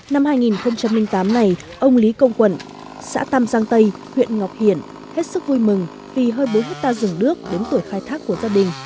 năm hai nghìn tám này ông lý công quận xã tam giang tây huyện ngọc hiển hết sức vui mừng vì hơn bốn hectare rừng đước đến tuổi khai thác của gia đình